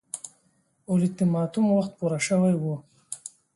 اولتیماتوم وخت پوره شوی وو.